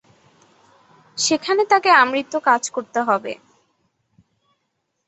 সেখানে তাকে আমৃত্যু কাজ করতে হবে।